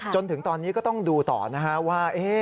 จนถึงตอนนี้ก็ต้องดูต่อนะฮะว่า